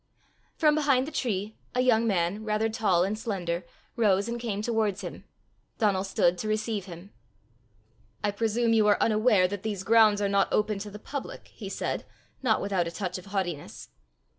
From behind the tree, a young man, rather tall and slender, rose and came towards him. Donal stood to receive him. "I presume you are unaware that these grounds are not open to the public!" he said, not without a touch of haughtiness.